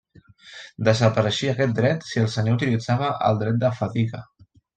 Desapareixia aquest dret si el senyor utilitzava el dret de fadiga.